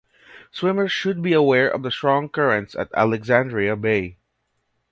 Swimmers should be aware of strong currents at Alexandria Bay.